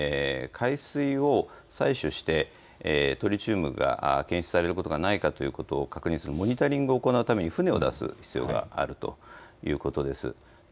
海水を採取してトリチウムが検出されることがないかということを確認するモニタリングを行うために船を出す必要があるということです。